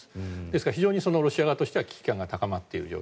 ですから非常にロシア側としては危機感が高まっていると。